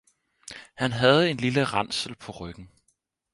Han havde en lille ransel på ryggen!